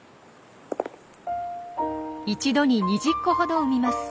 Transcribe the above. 一度に２０個ほど産みます。